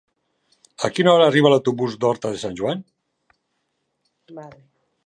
A quina hora arriba l'autobús de Horta de Sant Joan?